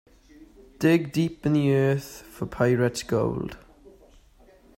Dig deep in the earth for pirate's gold.